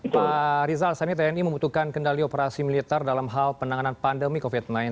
pak rizal saat ini tni membutuhkan kendali operasi militer dalam hal penanganan pandemi covid sembilan belas